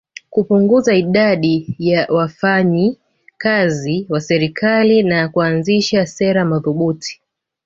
Kupunguza idadi ya wafanyi kazi wa serikali na kuanzisha sera madhubuti